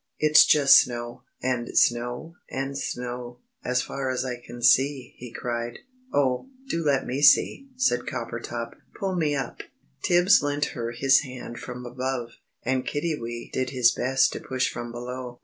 "It's just snow, and snow, and snow, as far as I can see," he cried. "Oh, do let me see," said Coppertop. "Pull me up." Tibbs lent her his hand from above, and Kiddiwee did his best to push from below.